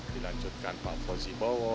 dilanjutkan pak fosibowo